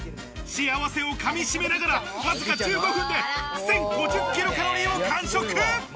幸せをかみしめながら、わずか１５分で１０５０ｋｃａｌを完食。